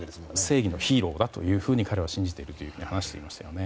正義のヒーローだと彼は信じていると話していましたよね。